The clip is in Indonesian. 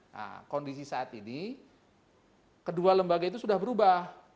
nah kondisi saat ini kedua lembaga itu sudah berubah